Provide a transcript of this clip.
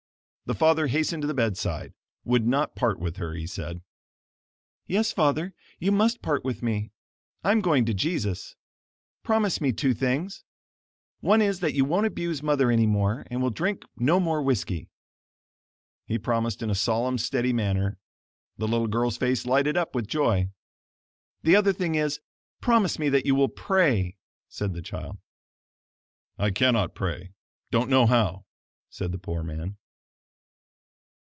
The father hastened to the bedside; would not part with her, he said. "Yes, father, you must part with me; I am going to Jesus. Promise me two things. One is, that you won't abuse mother any more, and will drink no more whiskey." He promised in a solemn, steady manner. The little girl's face lighted up with joy. "The other thing is, promise me that you will PRAY," said the child. "I cannot pray; don't know how," said the poor man.